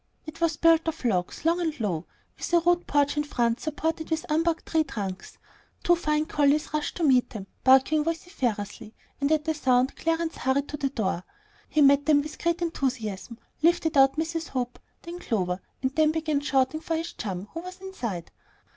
It was built of logs, long and low, with a rude porch in front supported on unbarked tree trunks. Two fine collies rushed to meet them, barking vociferously; and at the sound Clarence hurried to the door. He met them with great enthusiasm, lifted out Mrs. Hope, then Clover, and then began shouting for his chum, who was inside.